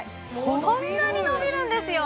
こんなに伸びるんですよ